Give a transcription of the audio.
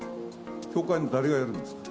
教会の誰がやるんですか。